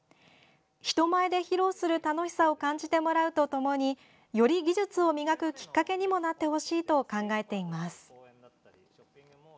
人前で披露する楽しさを感じてもらうとともにより技術を磨くきっかけにもなってほしいと考えています。